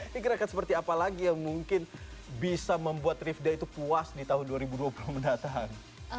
ini gerakan seperti apa lagi yang mungkin bisa membuat rifda itu puas di tahun dua ribu dua puluh mendatang